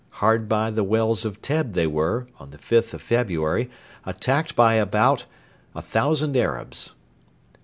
Hard by the wells of Teb they were, on the 5th of February, attacked by about a thousand Arabs.